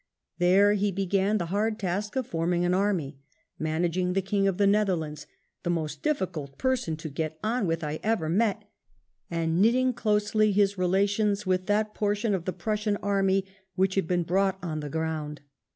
There he began the hard task of forming an army, managing the King of the Netherlands— " the most difiicult person to get on with I ever met" — and knitting closely his relations with that portion of the Prussian army which had been brought on the ground.